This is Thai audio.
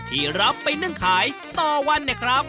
ที่รับไปนึ่งขายต่อวันเนี่ยครับ